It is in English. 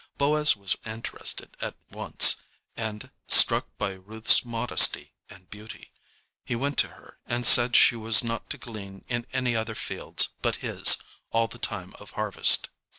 Boaz was interested at once, and, struck by Ruth's modesty and beauty, he went to her and said she was not to glean in any other fields but his all the time of harvest.